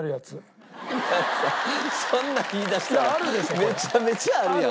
そんなん言い出したらめちゃめちゃあるやん！